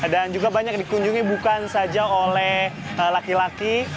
dan juga banyak dikunjungi bukan saja oleh laki laki